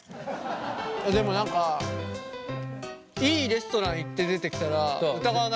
でも何かいいレストラン行って出てきたら疑わないかも。